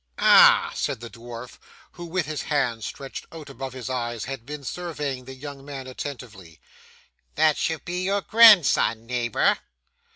'Ah!' said the dwarf, who with his hand stretched out above his eyes had been surveying the young man attentively, 'that should be your grandson, neighbour!